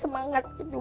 ketua tua mereka berdua